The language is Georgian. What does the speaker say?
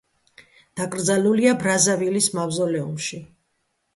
დაკრძალულია ბრაზავილის მავზოლეუმში.